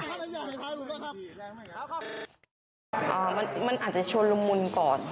อ่ามันอาจจะชวนลำมุนก่อน